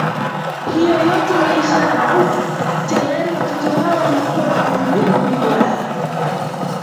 Hiyo yote ni ishara kuwa tayari watoto hao wanakuwa wameingia kwenye furaha